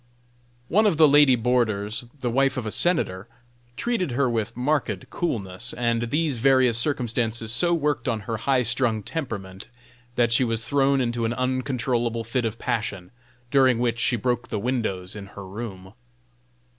One of the lady boarders, the wife of a senator, treated her with marked coolness; and these various circumstances so worked on her high strung temperament that she was thrown into an uncontrollable fit of passion, during which she broke the windows in her room.